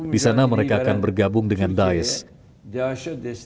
di sana mereka akan bergabung dengan dies